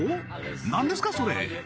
何ですかそれ？